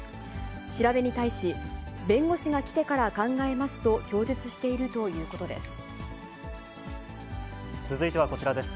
調べに対し、弁護士が来てから考えますと供述しているということです。